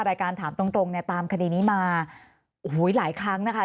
รายการถามตรงตามคดีนี้มาหลายครั้งนะคะ